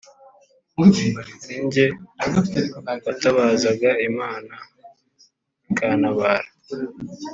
ari jye watabazaga imana ikantabara,